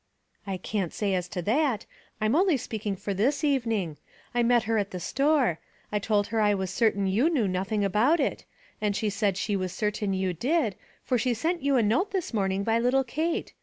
" I can't say as to that. I'm only speaking for this evening. I met her in the store. I told her I was certain you knew nothing about it, and she said she was certain you did, for she sent you a note this morning by little Kate.